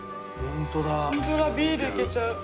ホントだビールいけちゃう。